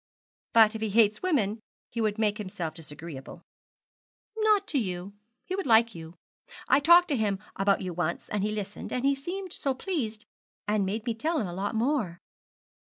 'But if he hates women he would make himself disagreeable.' 'Not to you. He would like you. I talked to him about you once, and he listened, and seemed so pleased, and made me tell him a lot more.'